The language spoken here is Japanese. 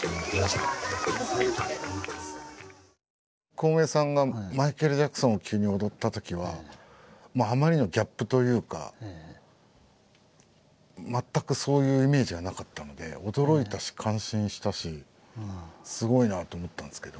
コウメさんがマイケル・ジャクソンを急に踊ったときはあまりのギャップというか全くそういうイメージがなかったので驚いたし感心したしすごいなと思ったんですけど。